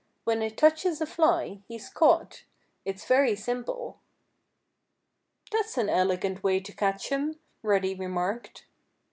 When it touches a fly, he's caught. It's very simple." "That's an elegant way to catch 'em," Reddy remarked.